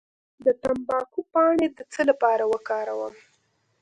د تمباکو پاڼې د څه لپاره وکاروم؟